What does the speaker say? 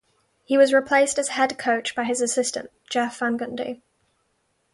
He was replaced as head coach by his assistant, Jeff Van Gundy.